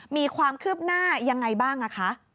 มีความคืบหน้ายังไงบ้างคะ